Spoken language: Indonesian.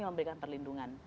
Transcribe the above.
yang memberikan perlindungan